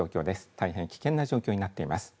大変危険な状況になっています。